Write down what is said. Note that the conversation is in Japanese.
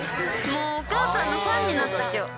もうお母さんのファンになっちゃう、きょう。